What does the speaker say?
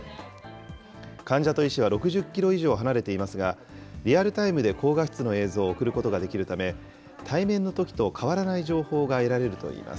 患者と医師は６０キロ以上離れていますが、リアルタイムで高画質の映像を送ることができるため、対面のときと変わらない情報が得られるといいます。